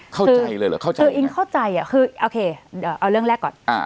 เข้าใจเลยเหรอเข้าใจคืออิงเข้าใจอ่ะคือโอเคเอาเรื่องแรกก่อน